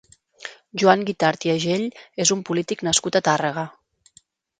Joan Guitart i Agell és un polític nascut a Tàrrega.